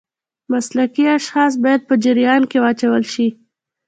مسلکي اشخاص باید په جریان کې واچول شي.